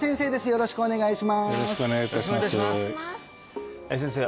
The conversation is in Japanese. よろしくお願いいたします先生